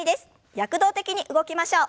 躍動的に動きましょう。